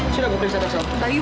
silah gua beli tas aku